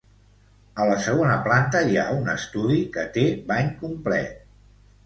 A la segona planta hi ha un estudi que té bany complet.